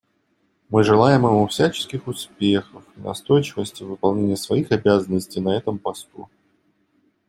Мы желаем ему всяческих успехов и настойчивости в выполнении своих обязанностей на этом посту.